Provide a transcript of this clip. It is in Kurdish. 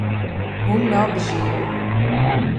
Hûn nabijêrin.